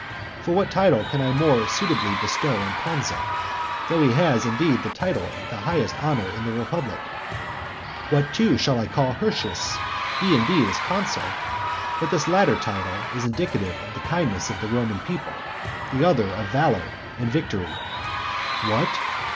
For what title can I more suitably bestow on Pansa? Though he has, indeed, the title of the highest honour in the republic. What, too, shall I call Hirtius? He, indeed, is consul; but this latter title is indicative of the kindness of the Roman people; the other of valour and victory. What?